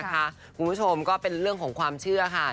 คุณผู้ชมก็เป็นเรื่องของความเชื่อค่ะ